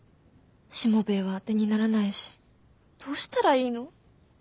しもべえはあてにならないしどうしたらいいの。